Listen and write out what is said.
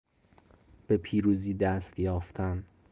به پیروزی دست یافتن